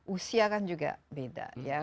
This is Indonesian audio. usia kan juga beda ya